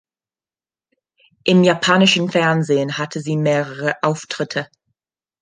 Im japanischen Fernsehen hatte sie mehrere Auftritte.